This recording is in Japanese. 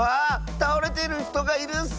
たおれてるひとがいるッス！